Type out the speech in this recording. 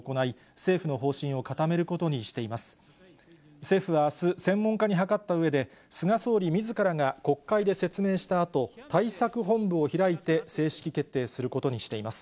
政府はあす、専門家に諮ったうえで、菅総理みずからが国会で説明したあと、対策本部を開いて正式決定することにしています。